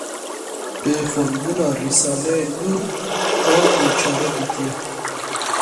bi xwendina Risaleyên Nûr xwe bê çare dîtîye